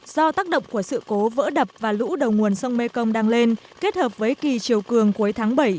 do tác động của sự cố vỡ đập và lũ đầu nguồn sông mê công đang lên kết hợp với kỳ chiều cường cuối tháng bảy